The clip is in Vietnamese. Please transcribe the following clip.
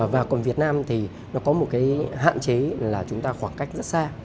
và còn việt nam thì nó có một cái hạn chế là chúng ta khoảng cách rất xa